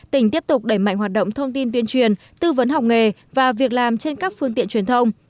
tỉnh tiếp tục đẩy mạnh hoạt động thông tin tuyên truyền tư vấn học nghề và việc làm trên các phương tiện truyền thông